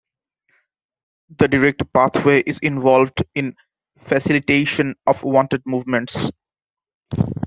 The direct pathway is involved in facilitation of wanted movements.